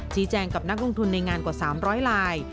แจ้งกับนักลงทุนในงานกว่า๓๐๐ลาย